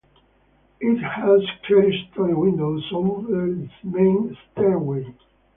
It has clerestory windows over its main stairway.